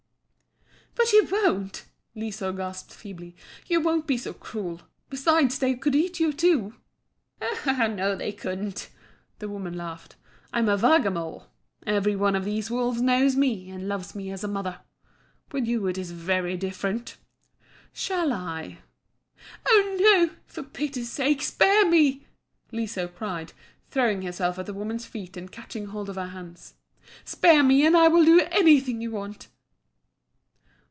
"But you won't," Liso gasped feebly. "You won't be so cruel. Besides, they could eat you, too." "Oh no, they couldn't," the woman laughed. "I'm a Vargamor. Every one of these wolves knows me and loves me as a mother. With you it is very different. Shall I ?" "Oh no! for pity's sake spare me!" Liso cried, throwing herself at the woman's feet and catching hold of her hands. "Spare me, and I will do anything you want."